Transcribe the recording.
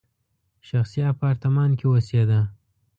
شخصي اپارتمان کې اوسېده.